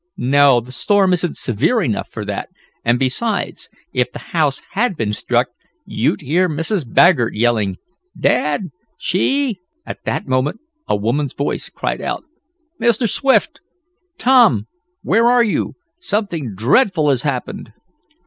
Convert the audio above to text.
"No, the storm isn't severe enough for that; and, besides, if the house had been struck you'd hear Mrs. Baggert yelling, Dad. She " At that moment a woman's voice cried out: "Mr. Swift! Tom! Where are you? Something dreadful has happened!"